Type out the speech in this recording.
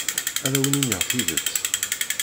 Ad awen-iniɣ tidet.